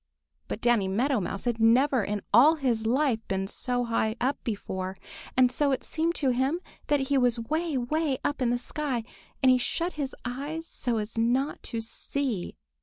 But Danny Meadow Mouse had never in all his life been so high up before, and so it seemed to him that he was way, way up in the sky, and he shut his eyes so as not to see.